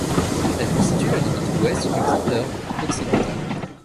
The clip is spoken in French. Elle constitue la limite ouest du Grand Erg occidental.